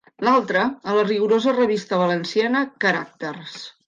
L'altra a la rigorosa revista valenciana “Caràcters”.